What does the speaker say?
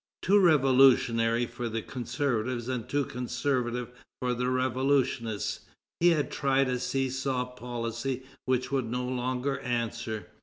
Too revolutionary for the conservatives and too conservative for the revolutionists, he had tried a see saw policy which would no longer answer.